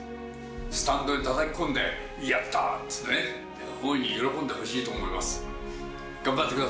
スタンドにたたき込んで、やった！とね、大いに喜んでほしいと思います。